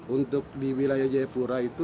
untuk di wilayah lima jawa timur dan jawa timur